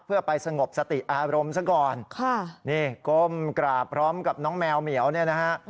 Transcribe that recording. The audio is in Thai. เพื่อไปสงบสติอารมณ์ซะก่อนค่ะนี่ก้มกราบพร้อมกับน้องแมวเหมียวเนี่ยนะฮะ